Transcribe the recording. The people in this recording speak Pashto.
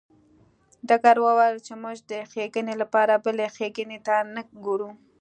ډګروال وویل چې موږ د ښېګڼې لپاره بلې ښېګڼې ته نه ګورو